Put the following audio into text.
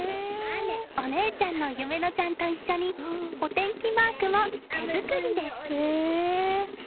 お姉ちゃんの夢乃ちゃんと一緒にお天気マークも手作りです。